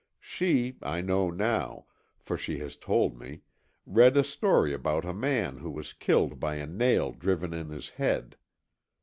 She, I know now, for she has told me, read a story about a man who was killed by a nail driven in his head.